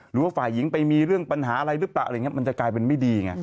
หรือว่าฝ่ายหญิงไปมีเรื่องปัญหาอะไรรึเปล่ามันจะกลายเป็นไม่ดี